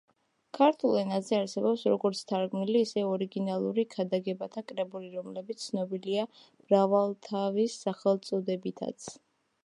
ქართულ ენაზე არსებობს როგორც თარგმნილი, ისე ორიგინალური ქადაგებათა კრებულები, რომლებიც ცნობილია მრავალთავის სახელწოდებითაც.